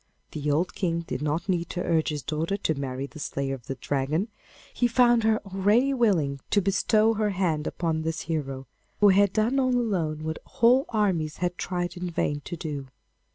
The old King did not need to urge his daughter to marry the slayer of the Dragon; he found her already willing to bestow her hand upon this hero, who had done all alone what whole armies had tried in vain to do.